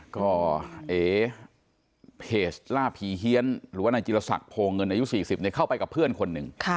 ก็เอ๊เพจล่าผีเฮียนหรือว่านายจิลศักดิ์โพเงินอายุ๔๐เข้าไปกับเพื่อนคนหนึ่ง